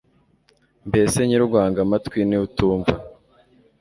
mbese nyir'uguhanga amatwi, ni we utumva